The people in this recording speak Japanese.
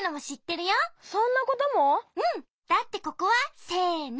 だってここはせの。